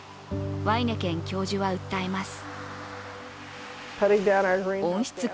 ワイネケン教授は訴えます。